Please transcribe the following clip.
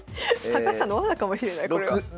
高橋さんの罠かもしれないこれは。